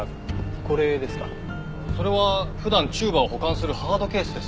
それは普段チューバを保管するハードケースです。